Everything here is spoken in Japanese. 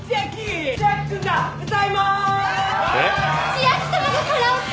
千秋さまがカラオケ！？